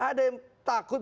ada yang takut